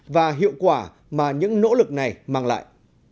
và hiệu quả mà những nỗ lực này mang lại